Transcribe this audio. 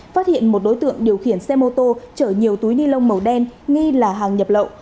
phát hiện một đối tượng điều khiển xe mô tô chở nhiều túi ni lông màu đen nghi là hàng nhập lậu